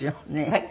はい？